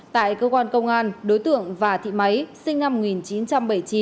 tại cơ quan công an đối tượng và thị máy sinh năm một nghìn chín trăm bảy mươi chín